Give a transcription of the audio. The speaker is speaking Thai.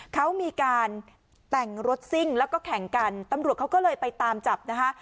เขามีการแต่งรถซิ่งแล้วก็แข่งกันตำรวจเขาก็เลยไปตามจับนะคะ